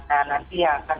nah nanti ya akan